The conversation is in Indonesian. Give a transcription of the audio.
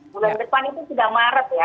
bulan depan itu sudah maret ya